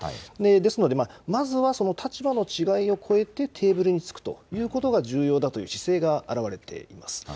ですので、まずはその立場を違いを超えてテーブルにつくということが重要だという姿勢が表れています。